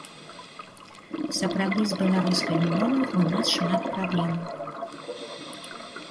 Сапраўды, з беларускай мовай у нас шмат праблемаў.